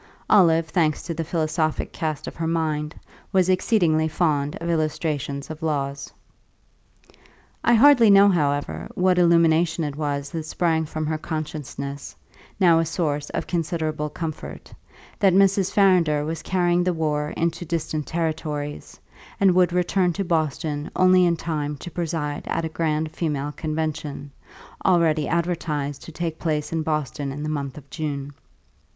Olive, thanks to the philosophic cast of her mind, was exceedingly fond of illustrations of laws. I hardly know, however, what illumination it was that sprang from her consciousness (now a source of considerable comfort) that Mrs. Farrinder was carrying the war into distant territories, and would return to Boston only in time to preside at a grand Female Convention, already advertised to take place in Boston in the month of June.